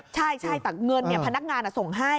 ใช่แต่เงินพนักงานส่งให้